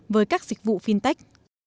với các dịch vụ fintech